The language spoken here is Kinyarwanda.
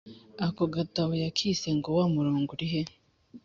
Ako gatabo yakise ngo “Wa murongo uri he?”